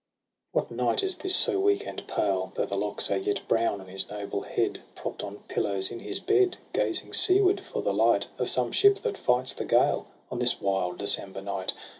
What Knight is this so weak and pale, Though the locks are yet brown on his noble head, Propt on pillows in his bed, Gazing seaward for the light Of some ship that fights the gale On this wild December night?